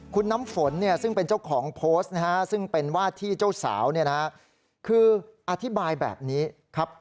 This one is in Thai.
คู่น้ำฝนซึ่งเป็นเจ้าของโพสต์นึงฮะซึ่งเป็นว่าที่เจ้าสาวคืออธิบายแบบนี้ครับ